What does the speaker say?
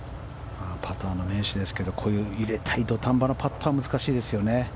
パターの名手ですがこういう入れたい土壇場のパットは難しいですよね。